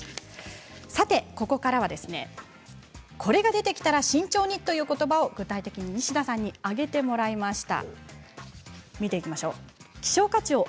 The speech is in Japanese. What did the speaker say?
ここからは、これが出てきたら慎重にということばを具体的に西田さんに挙げてもらいました。